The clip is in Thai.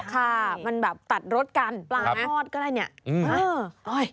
ค่ะมันแบบตัดรสกันปลาทอดก็ได้เนี่ย